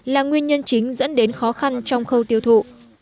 là nguyên nhân chính dẫn đến khó khăn trong khâu tiêu thụ